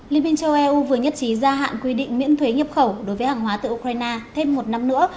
liên minh châu âu vừa nhất trí gia hạn quy định miễn thuế nhập khẩu đối với hàng hóa từ ukraine thêm một năm nữa